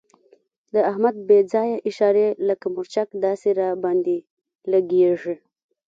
د احمد بې ځایه اشارې لکه مرچک داسې را باندې لګېږي.